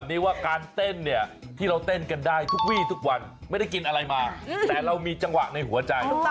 นี้ว่าการเต้นเนี่ยที่เราเต้นกันได้ทุกวีทุกวันไม่ได้กินอะไรมาแต่เรามีจังหวะในหัวใจ